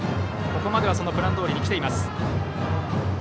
ここまではそのプランどおりに来ています。